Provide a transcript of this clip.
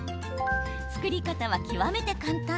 作り方は極めて簡単。